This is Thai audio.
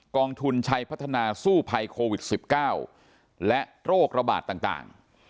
องทุนชัยพัฒนาสู้ภัยโควิด๑๙และโรคระบาดต่าง